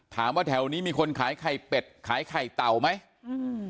แถวนี้มีคนขายไข่เป็ดขายไข่เต่าไหมอืม